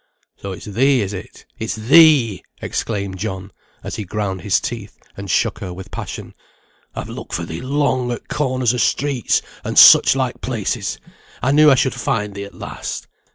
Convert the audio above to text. "So it's thee, is it! It's thee!" exclaimed John, as he ground his teeth, and shook her with passion. "I've looked for thee long at corners o' streets, and such like places. I knew I should find thee at last.